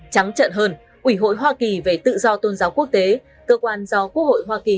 trắng trận hơn ủy hội hoa kỳ về tự do tôn giáo quốc tế cơ quan do quốc hội hoa kỳ